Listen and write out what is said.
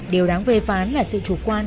điều đáng vệ phán là sự chủ quan